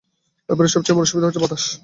এই বাড়ির সবচেয়ে বড় সুবিধা হচ্ছে বাতাস।